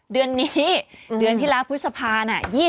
เดือนเหล้าภุษภาพนี้